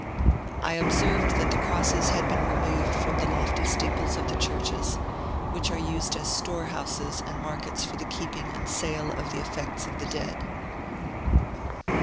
I observed that the crosses had been removed from the lofty steeples of the churches, which are used as storehouses and markets for the keeping and sale of the effects of the dead.